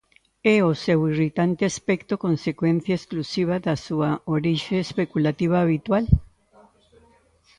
É o seu irritante aspecto consecuencia exclusiva da súa orixe especulativa habitual?